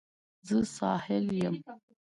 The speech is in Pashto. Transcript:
زه ساحل یم